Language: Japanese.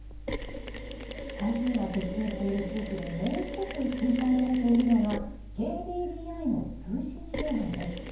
台風が接近している地域でもう１つ心配されているのがＫＤＤＩの通信障害です。